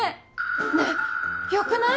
ねえよくない？